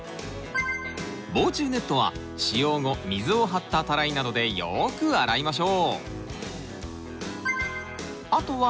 防虫ネットは使用後水を張ったたらいなどでよく洗いましょう。